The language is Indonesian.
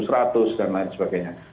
rp sembilan belas seratus dan lain sebagainya